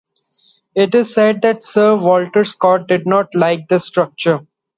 It is said that Sir Walter Scott did not like the structure.